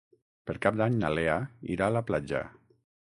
Per Cap d'Any na Lea irà a la platja.